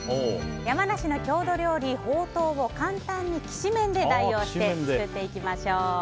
山梨の郷土料理、ほうとうを簡単にきしめんで代用して作っていきましょう。